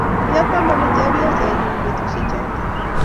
Kie tamano chepyosenyu petushek chotok